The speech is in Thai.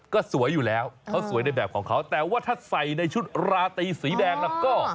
ก็สวยอยู่แล้วเขาสวยในแบบของเขาแต่ว่าถ้าใส่ในชุดราตรีสีแดงแล้วก็